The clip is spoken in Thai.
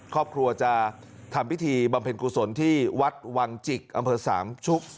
ครอบครัวจะทำพิธีบำเพ็ญกุศลที่วัดวังจิกอำเภอสามชุก